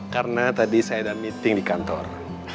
karena tadi saya ada meeting di kantor